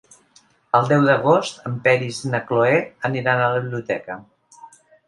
El deu d'agost en Peris i na Cloè aniran a la biblioteca.